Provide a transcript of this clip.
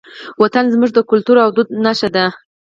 وطن زموږ د کلتور او دود نښه ده.